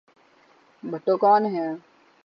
بھٹو کون ہیں؟